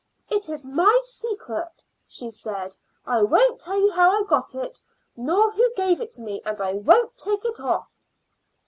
"It is my secret," she said. "I won't tell you how I got it, nor who gave it to me. And I won't take it off."